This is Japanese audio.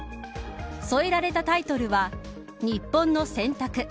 添えられたタイトルは日本の選択。